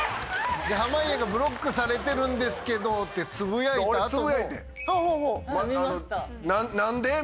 濱家がブロックされてるんですけどってつぶやいた後も。